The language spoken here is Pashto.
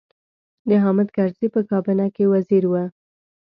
د حامد کرزي په کابینه کې وزیر و.